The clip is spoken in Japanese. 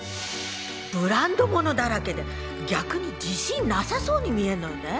ブランド物だらけで逆に自信なさそうに見えるのよね。